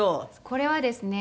これはですね